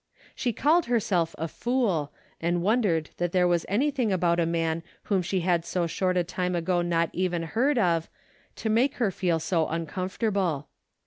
She called herself a fool, and A DAILY RATE.'^ 283 wondered that there was anything about a man whom she had so short a time ago not even heard of, to make her feel so uncomfort able.